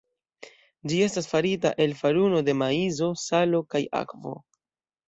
Ĝi estas farita el faruno de maizo, salo kaj akvo.